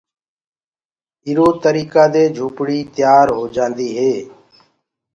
اِرو تريڪآ دي جُھوپڙي تيآر هوجآندي هي۔